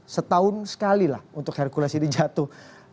setahun sekali lah untuk hercules ini jatuh